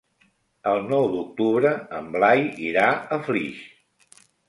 El nou d'octubre en Blai irà a Flix.